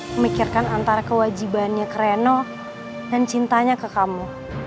memikirkan antara kewajibannya ke reno dan cintanya ke kamu